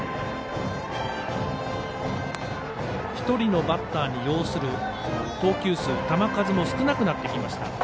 １人のバッターに要する投球数、球数も少なくなってきました。